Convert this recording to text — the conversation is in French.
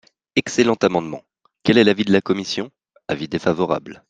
Excellent amendement ! Quel est l’avis de la commission ? Avis défavorable.